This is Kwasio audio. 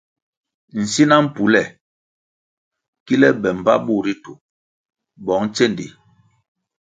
Nsina mpule kile be mbpa bur ritu bong tsendi.